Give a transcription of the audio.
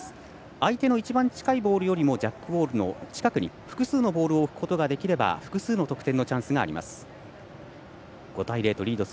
相手の一番近いボールよりもジャックボールの近くに複数のボールを置くことができれば複数の得点のチャンスがあります。